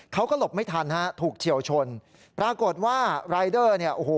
เขาก็หลบไม่ทันถูกเฉียวชนปรากฏว่ารายเดอร์